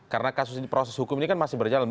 karena kasus ini proses hukum ini kan masih berjalan